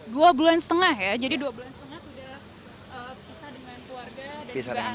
dua bulan setengah ya jadi dua bulan setengah sudah pisah dengan keluarga